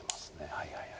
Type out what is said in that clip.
はいはい。